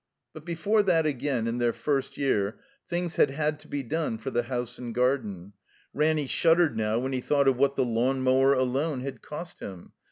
But before that again, in their first year, things had had to be done for the house and garden. Raxmy shuddered now when he thought of what the 1 80 THE COMBINED MAZE lawn mower alone had cost him.